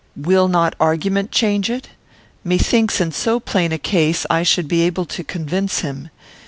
"Will not argument change it? Methinks in so plain a case I should be able to convince him.